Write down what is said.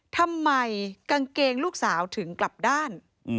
ทำไมกางเกงลูกสาวถึงกลับด้าน